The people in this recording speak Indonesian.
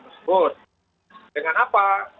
tersebut dengan apa